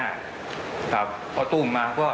มันมีโอกาสเกิดอุบัติเหตุได้นะครับ